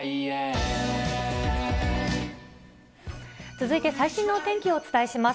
続いて最新のお天気をお伝えします。